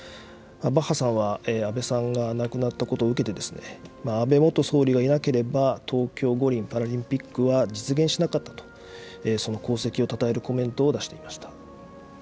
バッハさんは安倍さんが亡くなったことを受けて、安倍元総理がいなければ、東京五輪・パラリンピックは実現しなかったと、その功績をたたえ